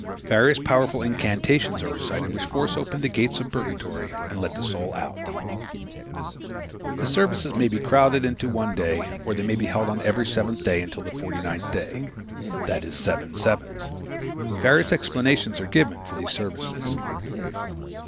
Various powerful incantations are recited which force open the gates of purgatory and let the soul out. The services may be crowded into one day or they may be held on every seventh day until the forty ninth day, i.e., seven sevens. Various explanations are given' for these services.